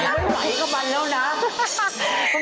ไม่ไหวก็มันแล้วนะ